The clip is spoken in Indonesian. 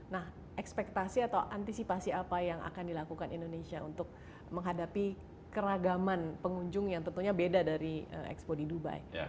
nah ekspektasi atau antisipasi apa yang akan dilakukan indonesia untuk menghadapi keragaman pengunjung yang tentunya beda dari expo di dubai